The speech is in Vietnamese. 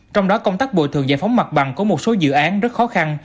trong đó công tác bồi thường giải phóng mặt bằng của một số dự án rất khó khăn